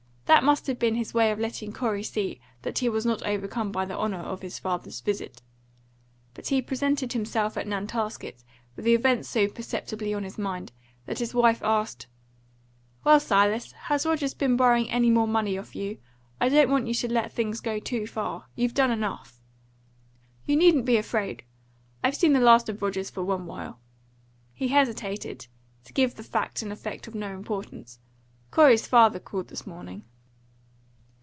That must have been his way of letting Corey see that he was not overcome by the honour of his father's visit. But he presented himself at Nantasket with the event so perceptibly on his mind that his wife asked: "Well, Silas, has Rogers been borrowing any more money of you? I don't want you should let that thing go too far. You've done enough." "You needn't be afraid. I've seen the last of Rogers for one while." He hesitated, to give the fact an effect of no importance. "Corey's father called this morning."